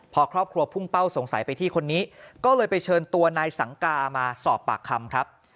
พอครอบครัวพุ่งเป้าสงสัยไปที่คนนี้ก็เลยไปเชิญตัวนายสังกามาสอบปากคำครับ